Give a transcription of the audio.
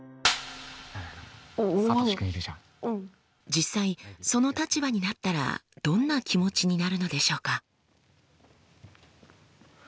実際その立場になったらどんな気持ちになるのでしょうか？